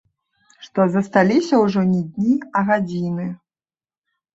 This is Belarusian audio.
Што засталіся ўжо не дні, а гадзіны.